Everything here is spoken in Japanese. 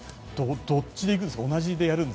どっちで行くんですかね？